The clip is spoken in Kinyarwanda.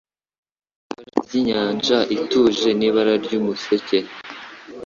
Ibara ry'inyanja ituje n'ibara ry'umuseke